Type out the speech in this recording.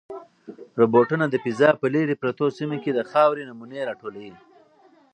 روبوټونه د فضا په لیرې پرتو سیمو کې د خاورې نمونې راټولوي.